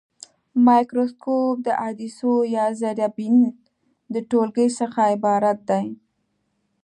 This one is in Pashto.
مایکروسکوپ د عدسیو یا زرې بیني د ټولګې څخه عبارت دی.